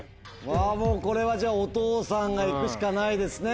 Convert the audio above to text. もうこれはお父さんが行くしかないですね。